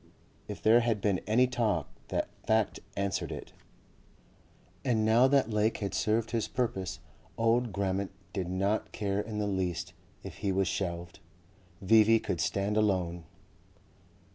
If there had been any talk that fact answered it. And now that Lake had served his purpose old Grammont did not care in the least if he was shelved. V.V. could stand alone.